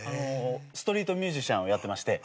ストリートミュージシャンをやってまして。